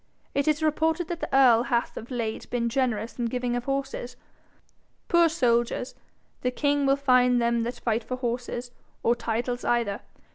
It is reported that the earl hath of late been generous in giving of horses. Poor soldiers the king will find them that fight for horses, or titles either.